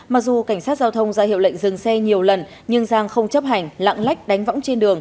mặc dù cảnh sát giao thông ra hiệu lệnh dừng xe nhiều lần nhưng giang không chấp hành lãng lách đánh võng trên đường